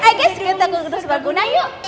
ayo guys kita ke kutu sebaguna yuk